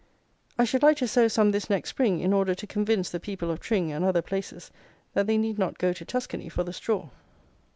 I should like to sow some this next spring, in order to convince the people of Tring, and other places, that they need not go to Tuscany for the straw.